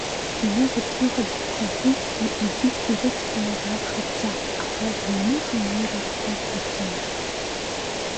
Миназ Аԥсныҟа дхынҳәижьҭеи иҵит ирыцқьаны жәаф шықәса, аха лыҩныҟа анеира дақәиҭымызт.